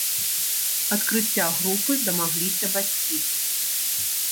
Адкрыцця групы дамагліся бацькі.